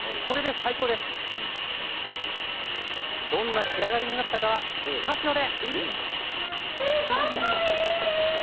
さあ、どんな仕上がりになったかはスタジオで。